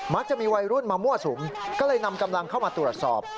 จะมีวัยรุ่นมามั่วสุมก็เลยนำกำลังเข้ามาตรวจสอบ